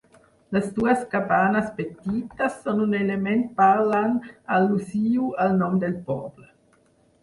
Les dues cabanes petites són un element parlant al·lusiu al nom del poble.